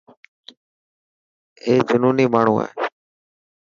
اي جنوني ماڻهو هي.